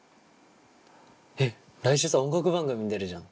えっ来週さ音楽番組に出るじゃん。